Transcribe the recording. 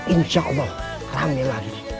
insya allah rame lagi